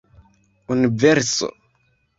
universo